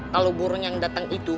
kalau burung yang datang itu